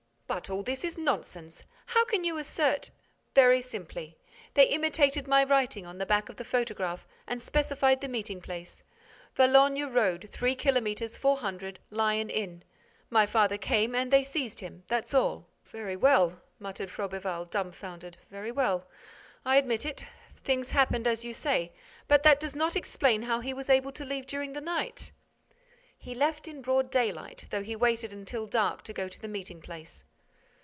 "But all this is nonsense! How can you assert—?" "Very simply. They imitated my writing on the back of the photograph and specified the meeting place: Valognes Road, 3 kilometres 400, Lion Inn. My father came and they seized him, that's all." "Very well," muttered Froberval, dumbfounded, "very well. I admit it—things happened as you say—but that does not explain how he was able to leave during the night." "He left in broad daylight, though he waited until dark to go to the meeting place."